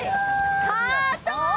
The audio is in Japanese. ハート！